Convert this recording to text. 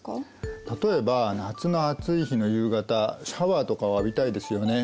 例えば夏の暑い日の夕方シャワーとかを浴びたいですよね。